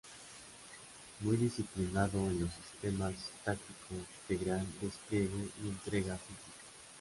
Muy disciplinado en los sistemas tácticos, de gran despliegue y entrega física.